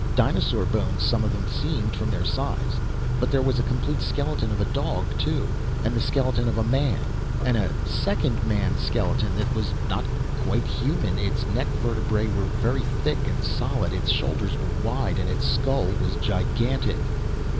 Dinosaur bones, some of them seemed, from their size. But there was a complete skeleton of a dog, too, and the skeleton of a man, and a second man skeleton that was not quite human. Its neck vertebrae were very thick and solid, its shoulders were wide, and its skull was gigantic.